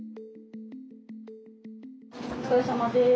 お疲れさまです。